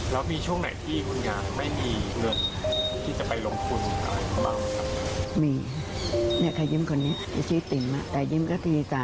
แล้วมีช่วงไหนที่คุณงานไม่มีเงินให้คุณเรามาลองกูด